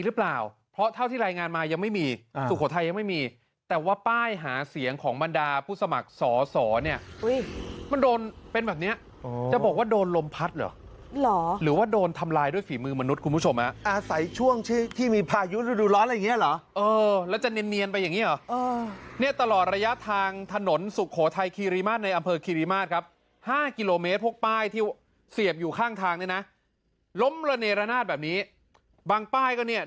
หรือเปล่าเพราะเท่าที่รายงานมายังไม่มีสุโคไทยยังไม่มีแต่ว่าป้ายหาเสียงของบรรดาผู้สมัครสอสอเนี่ยมันโดนเป็นแบบเนี้ยจะบอกว่าโดนลมพัดเหรอหรอหรือว่าโดนทำลายด้วยฝีมือมนุษย์คุณผู้ชมนะอาศัยช่วงที่ที่มีพายุฤดูร้อนอะไรอย่างเงี้ยเหรอเออแล้วจะเนียนเนียนไปอย่างเงี้ยเหรอเออเนี้ยต